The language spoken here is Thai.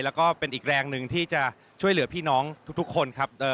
แล้วก็เป็นอีกแรงหนึ่งที่จะช่วยเหลือพี่น้องทุกคนครับ